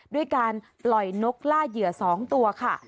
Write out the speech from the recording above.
ด้วยการปล่อยนกล่าเหยื่อ๒ตัวค่ะ